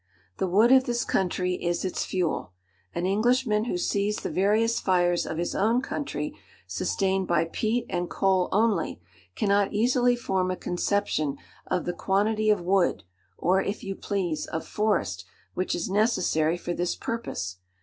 The wood of this country is its fuel. An Englishman who sees the various fires of his own country sustained by peat and coal only, cannot easily form a conception of the quantity of wood, or, if you please, of forest which is necessary for this purpose.